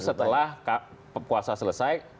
baru setelah puasa selesai